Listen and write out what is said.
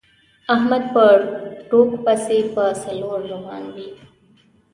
احمد په ټوک پسې په څلور روان وي.